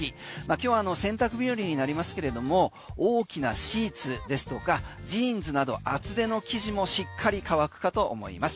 今日は洗濯日和になりますけれども大きなシーツですとかジーンズなど厚手の生地もしっかり乾くかと思います。